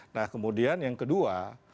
nah kemudian yang kedua